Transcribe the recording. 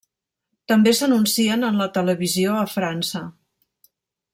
També s'anuncien en la televisió a França.